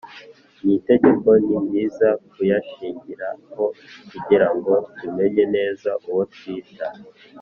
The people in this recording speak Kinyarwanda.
n'itegeko, ni byiza kuyashingiraho kugira ngo tumenye neza uwo twita